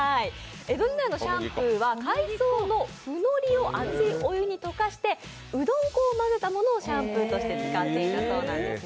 江戸時代のシャンプーは海藻のふのりをお湯に溶かしてうどん粉を混ぜたものをシャンプーとして使っていたそうなんです。